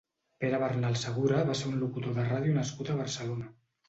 Pere Bernal Segura va ser un locutor de ràdio nascut a Barcelona.